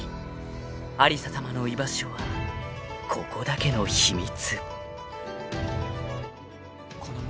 ［有沙さまの居場所はここだけの秘密］